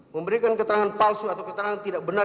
memberikan keterangan palsu atau keterangan tidak benar